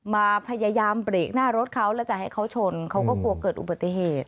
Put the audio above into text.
มาพยายามเบรกหน้ารถเขาแล้วจะให้เขาชนเขาก็กลัวเกิดอุบัติเหตุ